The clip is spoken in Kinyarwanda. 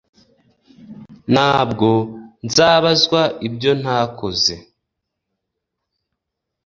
Ntabwo nzabazwa ibyo nakoze